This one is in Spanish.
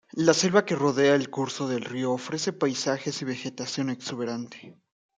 La selva que rodea el curso del río ofrece paisajes y vegetación exuberante.